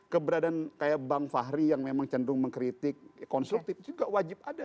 keberadaan kayak bang fahri yang memang cenderung mengkritik konstruktif juga wajib ada